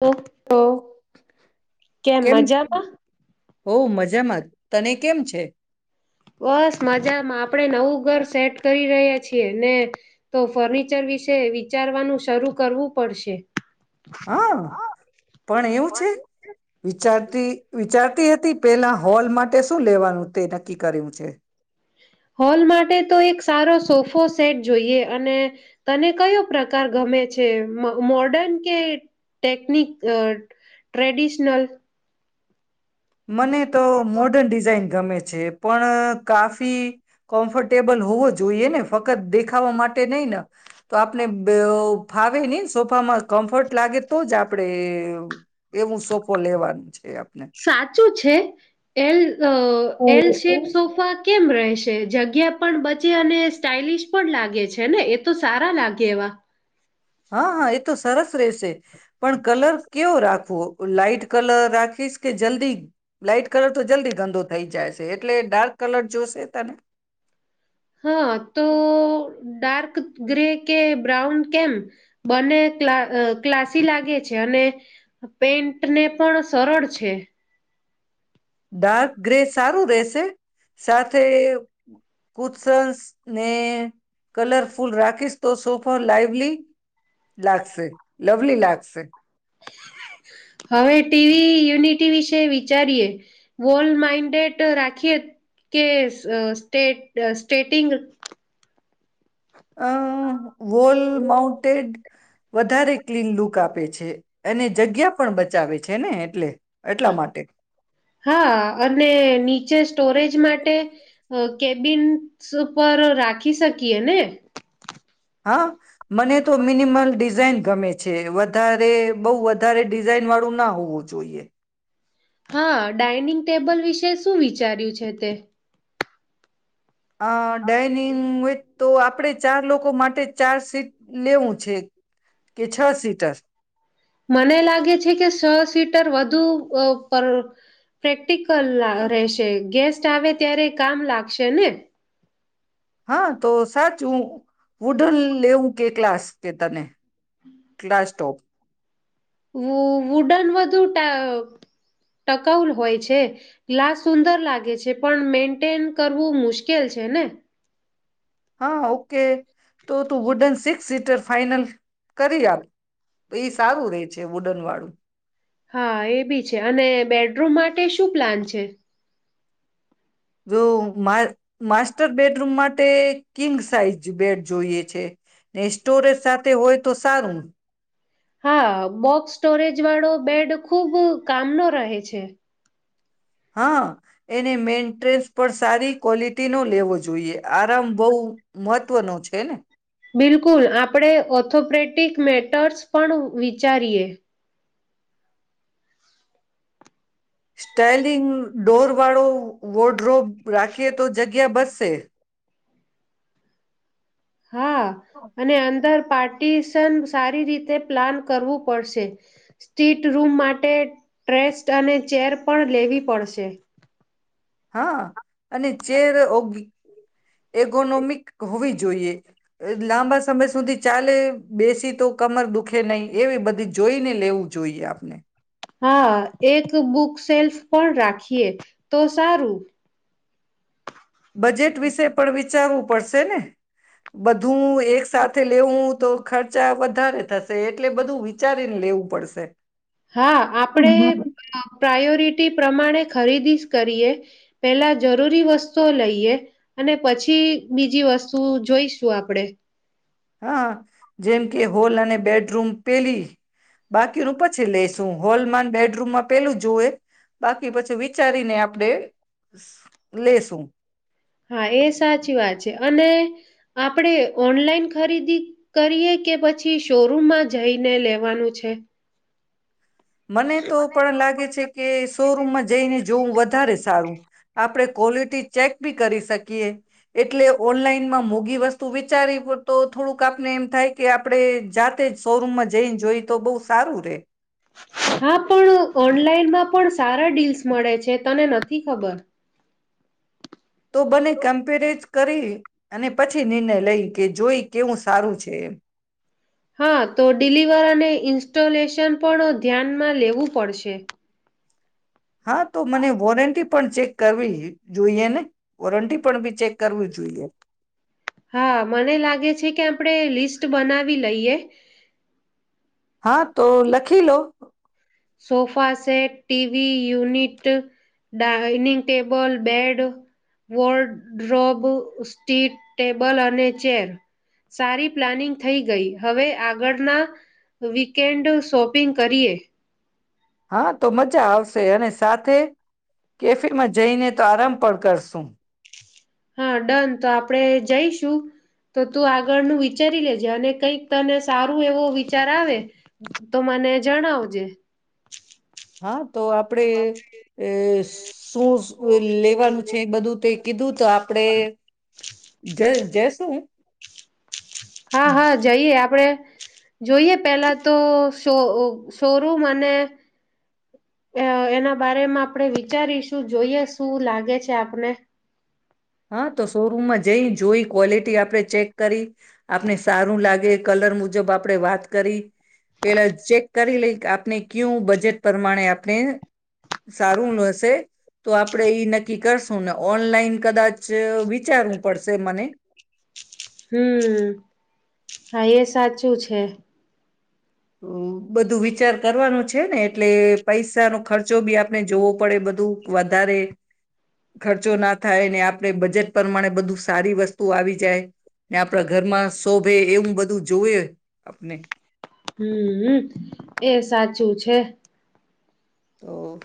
તો. [inaudible] કેમ હોબઉ મજામાં તને કેમ છે. બસ મજામાં આપણે નવું ઘર સેટ કરી રહ્યા છ ને તો ફર્નિચર વિશે વિચારવાનું શરૂ કરવું પડશે. હા પણ એવું છે વિચારતી વિચારતી હતી પેલા હોલ મા તે શું લેવાનું તે નક્કી કર્યું છે. હોલ માટે તો એક સારો સોફો સેટ જોઈએ અને તને કયો પ્રકાર ગમે છે મોર્ડન કે ટેકનિક ટ્રેડિશનલ. મને તો મોર્ડર્ન ડિઝાઇન ગમે છે. છે પણ. કાફી કમ્ફર્ટેબલ હોવો. જોઈએ ને ફક્ત. વખત દેખાવા માટે નહી ને તો આપણે. ફાવે નહી સોફામાં કમ્ફર્ટ લાગે તો જ આપણેે. એવું સોફો લેવાનું છે આપને. સાચું એલ એલ શેપ સોફા કેમ. રહેશે જગ્યા પણ બચે અને સ્ટાઇલિશ પણ લાગે છે ને એ તો સારા લાગે એવા. હા હા એ તો સરસ. ત્રેસે. પણ કલર કેવો રાખવો લાાઈટ કલર રાખીશ કે. જલ્દી. લાાઈટ કલર તો જલ્દી ગંદોતા. થઈ જાય છે એટલે ડાર્ક કલર જોશે તને. હા તો ડાર્ક ગ્રે. કે બ્રાઉન કેમ બને ક્ ક્લાસી લાગે છે અને પેન્ટ ને પણ સરળ છે. ડાર્ક ગ્રે સ. સારું રહેશે. સાથે કુત્સન્સ ને કલરફુલ રાખીશ. તો સોફા લાઈવલી લાગશે લવલી લાગશે. હવે ટીવી યુનિટી વિશે વિચારીએ વોલ્ડ માઇન્ડેડ રાખીએ કે સ્ટે સ્ટેટિંગ. અ વોલ માઉન્ટેડ વધારે ક્લીન લુક આપે છે. પ છે. અને જગ્યા પણ બચ. બચાવે છે ને એટલે. એટલા માટે હા અને નીચે સ્ટોરેજ માટે. કેબિન્સ ઉપર રાખી શકીએ ને. હા મને તો મિનિમલ ડિઝઇન. ગમે છે વધારે બહ વધારે ડિઝઇન વાળું ના હોવું જોઈએ. હા ડઇનિંગ ટેબલ વિશે શું વિચાર્યું છે તે. અ ડઇનિંગ વિચ તો આપણે ચાર લોકો. માટે ચાર સીટ. લેવું છે કે છ સીટર મને લાગે છે કે સ સીટર વધુ. અ ઉપ પ્ર. રહેશે ગેસ્ટ આવે. અત્યારે કામ લાગશે ને. હા તો સાચ હું. વુડન લેવું કે. ક્લાસ કે તને. ક્લાસ ટોપ વ વુડન વ. બું ટ ટકાઉલ હોય છે લ્ાશ સુંદર લાગે છે પણ મેન્ટેન કરવું મુશ્કેલ છે ને. હા ઓકે તો તું વુડન સિક્સ સીટર ફાાઈનલ. કરી આપ તો એ સારું રે છે. વડનવાળું. હા એ બી છે અને બેડરૂમ માટે શું પ્લાન છે. જો મા માસ્ટર બેડરૂમ માટે કિંગ સાઈઝ બેડ જોઈએ છે. ને સ્ટોરેજ સાથે હોય તો સારું. હા બોક્સ સ્ટોરેજ વાળો બેડ ખુબ કામનો રહે છે. હા એને મેન્ટન્સ પણ સારી ક્વોલિટી નો. લવો જોઈએ. આરામ બહુ મહત્વનોો છે ને. બિલકુલ આપણે ઓથોપ્રેટિક મેટર્સ પણ વિચારીએ. સ્ટાલિન ડોરવ. વળ. વોડ્રો રાખીએ તો જગ્યા બસ. તે. હા અને અંદર. પાર્ટિશન સારી રીતે પ્લાન કરવું પડશે સ્ટ્રીટ રૂમ માટે ડ્રેસ્ક અને ચેર પણ લેવી પડશે. હા. અને ચેર ઓગી. એગોનોમિક હોવી જોઈએ લાંબા સમય સુધી. ચાલે બેસી તો કમર દુખે નહીિ એવી બધી જોઈ ને લેવું જોઈએ આપને. હા એક બુક સેલ્ફ પણ રાખીએ તો સારું. બજેટ વિશે પણ વિચાર. વિચારવું પડશે ને. બધું એક સાથે લેવું તો ખર્ચા વધારે થશે. એટલે બધું વિચારીને લેવું પડશે. હા આપણે પ્રાયોરિટી પ્રમાણે. ખરીદી કરીએ પેલા જરૂરી વસ્તુઓ લઈએ અને પછી બીજી વસ્તુ જોઈશું આપણેે. હા જેમ કે હોલ અને બેડરૂમ પેલી. બાકીનુંું પછી લઈેશ. ું હોલ માં બેડરૂમમાં પેલું જોુવે બાકી પછી વિચારીને આપડે લેસું. હા એ સાચી વાત છે અને. આપણે ઓનલાઈન ખરીદી કરીએ કે પછી શોરૂમમાં જઈને લેવાનું છે. મને તો પણ લાગે છે કે શોરૂમમાં જઈને જોવું વધારે સારું આપડ ક્વોલિટી ચેક. બી કરી શકીએ એટલે ઓનલાઈનમાં મોઘી વસ્તુ વિચારી તો થોડુંક આપને એમ થાય કે આપણે જાતે જ શોરૂમમાં જઈને જોઈ તો બહુ સારું રે. હા પણ ઓનલાઈનમાં પણ સારા ડીલ્સ મળે છે તને નથી ખબર. તો બને કમ્પેરાઝ. કરીરે. અને પછી નિર્ણય લઈ. કે જોઈ કેવું સારું છે એ. હા તો ડિલિવર અને ઇન્સ્ટોલેશન પણ ધ્યાનમાં લેવું પડશે. હા તો મને વોરંટી. પણ ચેક કરવી જોઈએ ને વોરંટી પણ બી ચેક કરવી જોઈએ. હા મને લાગે છે કે આપણે લિસ્ટ બનાવી લઈએ. હા તો લખી લો. Sofa set TV unit dining table bed wardrobe સ્ટી ટેબલ અને ચેર સારી પ્લાનિંગ થઈ ગઈ હવે આગળના વીકેન્ડ શોપિંગ કરીએ. હા તો મજા આવશે અને સાથે કેફેમાં જઈને તો આરામ પણ કરશું. હા ડન તો આપણેે જઈશું તો તું આગળનું વિચારી લેજે અને કંઈક તને સારું એવો વિચાર આવે તો મને જણાવજે. હા તો આપડે અ શું લેવાનું છે બધું તે. કીધું તો આપડે જશું. હા, હા જઈએ આપડે. જોઈએ પેલા તો શો શોરૂમ અને એના બારેમાં આપણે વિચારીશું જોઈએ શું લાગે છે આપને. હા તો શોરૂમમાં જઈ જોઈ ક્વોલિટી આપણે ચેક કરી આપણે સારું લાગે કલર મુજબ આપણે વાત કરી પેલા ચેક કરી લઈ આપની કેવું બજેટ પ્રમાણે આપણે સારું હશે તો આપડે ઈ નક્કી કરશ [unintelligible] ઓનલાઈન કદાચ [unintelligible] વિચારવું પડશે મને. હમ, હા એ સાચું છે. તો બધું વિચાર કરવાનો છે. છે ને એટલે પૈસા નું ખર્ચો બી આપણે જોવો પડે બધું વધારે ખર્ચો ના થાય ને આપ આપણે બજેટ પરમાણે બધું સારી વસ્તુ આવી જાય. ને આપડા ઘરમાં શોભે એવું બધું જોયું. અપને હમ્મ એ સાચું છે. [unintelligible]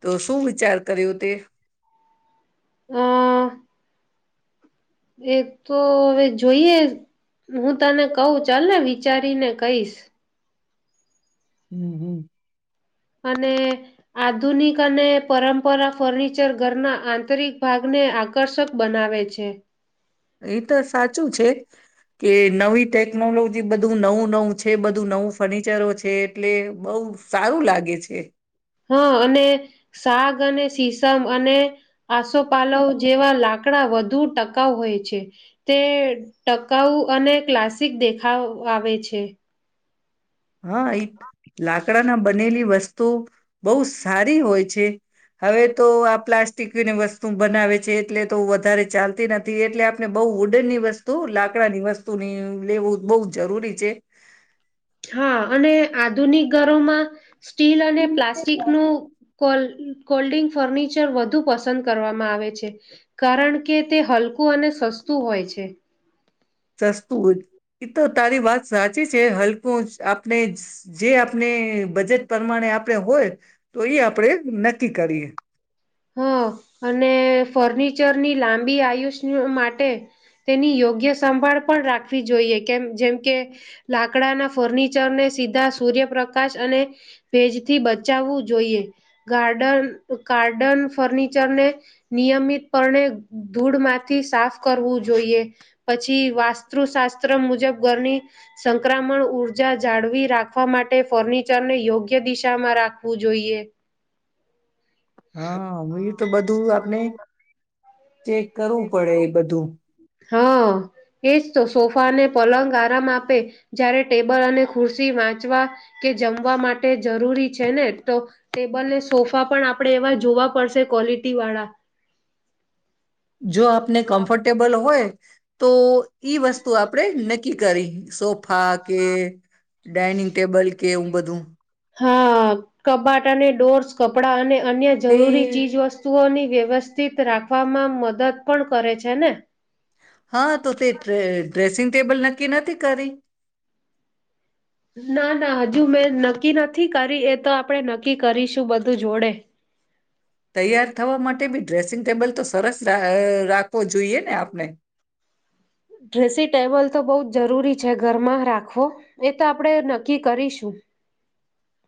તો શું વિચાર કરયું તે? આ. એ તો હવે જોઈએ, હું તને કઉં ચાલ ને વિચારીને કહીશં. [inaudible] અને આધુનિક અને પરંપરા ફર્નિચર ઘરનાં આંતરિક ભાગને આકર્ષક બનાવે છે. એ તો સાચું છે કે નવી ટેક ટેક્નોલોજી બધું નવું નવું છે બધું નવું ફર્નિચરો છે એટલે બઉ સારું લાગે છે. હા અને શાક અને સીસમ અને આસોપાલવ જેવા લાક લાકડા વધુ ટકાઉ હોય છે તે ટકાઉ અને ક્લાસિક દેખાવ આવે છે. હા, એ લાકડા ના બનેલી વસ્તુ બઉ સારી હોય છે. [inaudible] હવે તો આ પ્લાસ [unintelligible] વસ્તુ બનાવે છે એટલે તો વધારે ચાલતી નથી એટલે આપણે બઉ વુડન નની વસ્તુ લાકડાની વસ્તુની લેવું બોઉ જરૂરી છે. હા અને આધુનિગ કરોમાં. સ્ટીલ અને પ્લાસ્ટિક નું કોલ. કોલ્ડિંગ ફર્નિચર વધુ પસંદ કરવામાં આવે છે કારણ કે તે હલકું અને સસ્તું હોય છે. સસ્તું એ તો તારી વાત સાચી છે હલકું આપણે જ. જે આપને બજેટ. પ્રમાણે આપણે હોય. તો એ આપડે ન. કરીએ. હ અને ફર્નિચરની લાંબી આયુષ્ય માટે તેની યોગ્ય સંભાળ પણ રાખવી જોઈએ કેમ જેમ કે લાકડાના ફર્નિચરને સીધા સૂર્યપ્રકાશ અને ભેજથી બચાવવું જોઈએ ગાર્ડન કાર. ગાર્ડન ફર્નિચરને નિયમિતપણે ધૂળમાંથી સાફ કરવું જોઈએ પછી વાસ્તુશાસ્ત્ર મુજબ ઘરની સંક્રમણ ઊર્જા જાળવી રાખવા માટે ફર્નિચર ને યોગ્ય દિશામાં રાખવું જોઈએ. હા હું એ તો બધું આપને. ચેક કરવું પડે એ બધું. હા એજ તો સોફા અને પલંગ આરામ આપે, જયારે ટેબલ અને ખુરશી વાંચવા કે જમવા માટે જરૂરી છે ને. તો ટેબલ ને સોફા પણ આપણે એવા જોવા પડશે ક્વોલિટી વાળા. જો આપને કમ્ફર્ટેબલ હોય તો ઈ વસ્તુ આપણેે નક્કી કરી. સોફા કે ડાઇનિંગ ટેબલ કે એવું. બધું હા કબાટ અને ડોર્સ કપડાં અને અન્ય તે જરૂરી ચીજવસ્તુઓની વ્યવસ્થિત રાખવામાં મદદ પણ કરે છે ને. હા તો તે ઢ્રે ઢ્રેસિંગ ટેબલ નક્કી નથી કરી. ના, ના હજુ મેં નક્કી નથી કરી, એ તો આપણેે નક્કી કરીશું બધું જોડે. તૈયાર થવા માટે બી ડ્રેસિંગ ટેબલ તો સરસ ર અહ રાખવો જોઈએ ને આપણે. ડ્રેસિ ટેબલ તો બહું જ જરૂરી છે ઘરમાં રાખવો, એ તો આપણેે નક્કી કરીશું.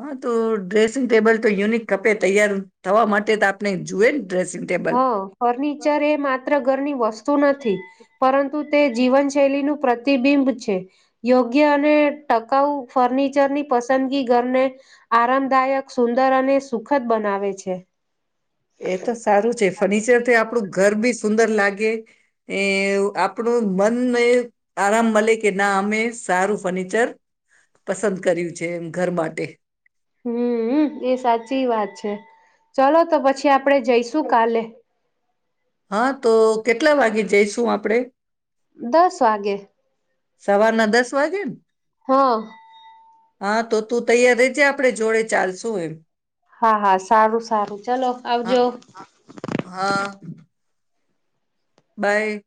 હા તો ડ્રેસિંગ ટેબલ તો યુનિક ખપે તૈયાર થવા માટે તો આપણે જુએ ને. ડ્રેસિંગ ટેબલ હં ફર્નિચર એ માત્ર ઘર ની વસ તુ નથી પરં તું તે જીવનશૈલીનું પ્રતિબિંબ છે. યોગ્ય અને ટકાઉ ફર્નિચરની પસંદગી ઘરને આરામદાયક, સુંદર અને સુખદ બનાવે છે. એ તો સારું છે ફર્નિચરથી આપણું ઘર બી સુંદર લાગે, એ આપણું મનને આરામ મલે કે ના અમે સારું ફર્નિચર પસંદ કર્યું છે એમ ઘર માટે. હમ્મ એ સાચી વાત છે. ચલો તો પછી આપણે જઈશું કાલે. હા તો કેટલા વાગે જઈશું આપડે? દસ વાગે. સવારના દસ વાગે ને, હા હા તો તું તૈયાર રેજે આપડે જોડે ચાલશું એમ. હા, હા સારું-સારું ચલો હા આવજો. હા બાય.